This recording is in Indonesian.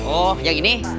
oh yang ini